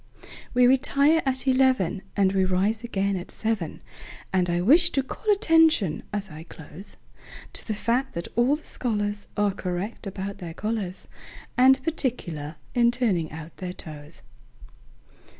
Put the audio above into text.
We retire at eleven, And we rise again at seven; And I wish to call attention, as I close, To the fact that all the scholarsAre correct about their collars, And particular in turning out their toes.